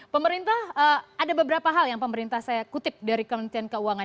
pemerintah ada beberapa hal yang pemerintah saya kutip dari kementerian keuangan